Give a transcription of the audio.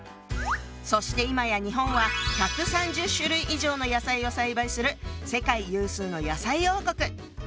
そしていまや日本は１３０種類以上の野菜を栽培する世界有数の野菜王国！